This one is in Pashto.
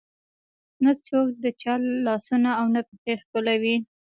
نه څوک د چا لاسونه او نه پښې ښکلوي.